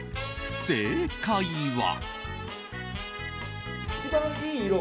正解は。